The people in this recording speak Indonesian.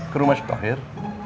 ke rumah si tohir